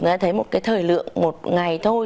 người ta thấy một thời lượng một ngày thôi